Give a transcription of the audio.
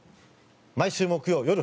毎週木曜夜８時。